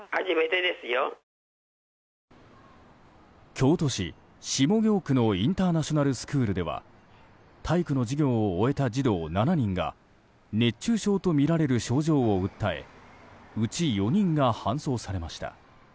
京都市下京区のインターナショナルスクールでは体育の授業を終えた児童７人が熱中症とみられる症状を訴えうち４人が搬送されました。